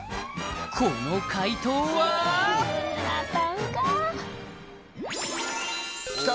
この快答はきた！